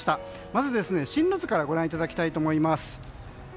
まず、進路図からご覧いただきたいと思います。